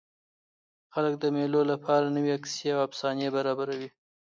خلک د مېلو له پاره نوي کیسې او افسانې برابروي.